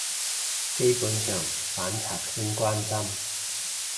基本上反賊先關心